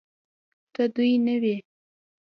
که دوی نه وي